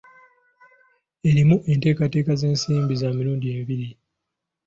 Erimu enteekateeka z'ensimbi za mirundi ebiri.